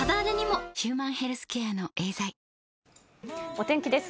お天気です。